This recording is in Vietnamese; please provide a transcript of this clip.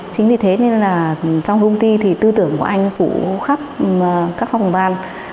chính vì thế nên là trong công ty thì tư tưởng của anh phụ khắp các phòng ban